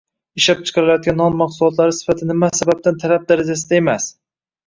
Ishlab chiqarilayotgan non mahsulotlari sifati nima sababdan talab darajasida emas?